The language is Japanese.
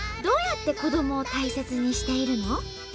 どうやって子どもを大切にしているの？